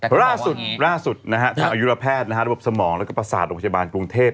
ล่าสุดทางอายุระแพทย์ระบบสมองแล้วก็ประสาทโรงพยาบาลกรุงเทพ